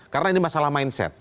karena ini masalah mindset